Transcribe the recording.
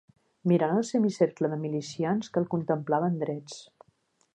Mirant el semicercle de milicians que el contemplaven drets.